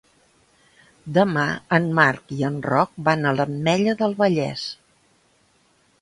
Demà en Marc i en Roc van a l'Ametlla del Vallès.